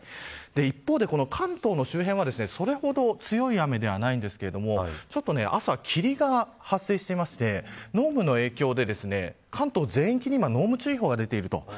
一方で関東の周辺はそれほど強い雨ではないんですけれども朝、霧が発生していて濃霧の影響で関東全域に今濃霧注意報が出ています。